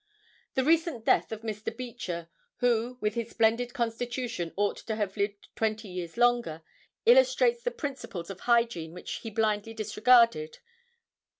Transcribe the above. The recent death of Mr. Beecher, who with his splendid constitution ought to have lived twenty years longer, illustrates the principles of hygiene which he blindly disregarded.